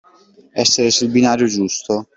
Essere sul binario giusto.